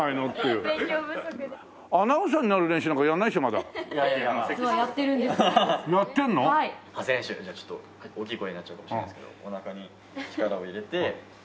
発声練習じゃあちょっと大きい声になっちゃうかもしれないですけどおなかに力を入れて。